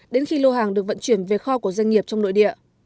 đến khi lô hàng được vận chuyển về kho của doanh nghiệp trong nội địa